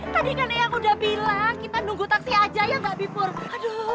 tadi kan ya aku udah bilang kita nunggu taksi aja ya gak bipur aduh